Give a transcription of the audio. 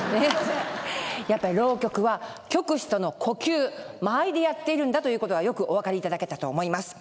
やっぱり浪曲は曲師との呼吸間合いでやっているんだということがよくお分かりいただけたと思います。